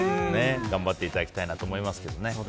頑張っていただきたいなと思いますけど。